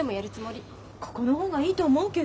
ここの方がいいと思うけど？